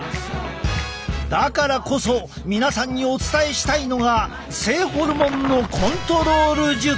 だからこそ皆さんにお伝えしたいのが性ホルモンのコントロール術！